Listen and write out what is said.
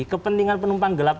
jadi kepentingan penumpang gelap